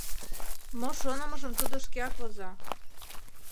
Мо шонымыжым тудо шкеак воза.